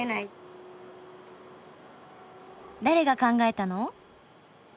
誰が考えたの？